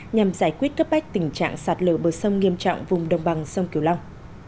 nhằm giải quyết cấp bách tình trạng sạt lở bờ sông nghiêm trọng vùng đồng bằng sông kiều long